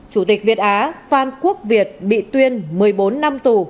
chủ tịch việt á phan quốc việt bị tuyên một mươi bốn năm tù